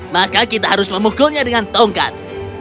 maka kita harus memukulnya dengan tongkat